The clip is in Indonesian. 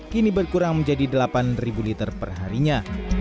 kini berkurang menjadi delapan liter perharinya